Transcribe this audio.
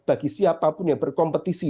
bagi siapapun yang berkompetisi